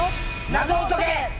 謎を解け！